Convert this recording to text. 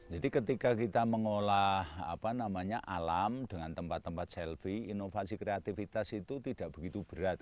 jadi ketika kita mengolah alam dengan tempat tempat selfie inovasi kreativitas itu tidak begitu berat